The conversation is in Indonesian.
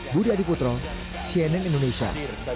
budi adiputro cnn indonesia